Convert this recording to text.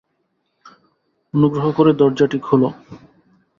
অনুগ্রহ করে দরজাটি খুলো!